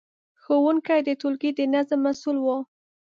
ښوونکي د ټولګي د نظم مسؤل وو.